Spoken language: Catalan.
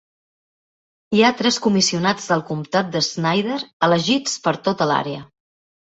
Hi ha tres comissionats del comtat de Snyder elegits per a tota l'àrea.